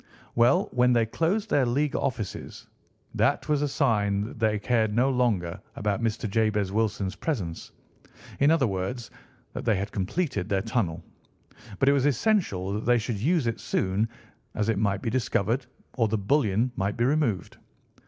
"Well, when they closed their League offices that was a sign that they cared no longer about Mr. Jabez Wilson's presence—in other words, that they had completed their tunnel. But it was essential that they should use it soon, as it might be discovered, or the bullion might be removed.